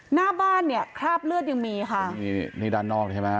หน้าบ้านเนี่ยคราบเลือดยังมีค่ะมีนี่ด้านนอกใช่ไหมฮ